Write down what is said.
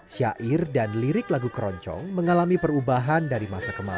syair dan lirik lagu keroncong mengalami perubahan dari masa kemarin